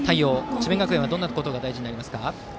智弁学園はどんなことが大事になりますか？